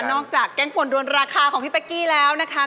นอกจากแกงป่วนด้วนราคาของพี่เป๊กกี้แล้วนะคะ